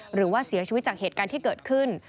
หรือว่าเสียชีวิตจากเหตุการณ์ที่เกิดขึ้น